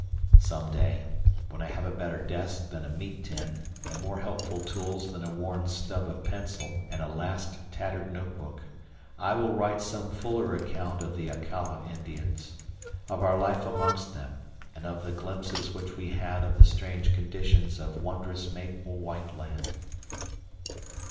Some day, when I have a better desk than a meat tin and more helpful tools than a worn stub of pencil and a last, tattered note book, I will write some fuller account of the Accala Indians of our life amongst them, and of the glimpses which we had of the strange conditions of wondrous Maple White Land.